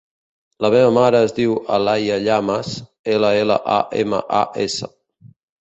La meva mare es diu Alaia Llamas: ela, ela, a, ema, a, essa.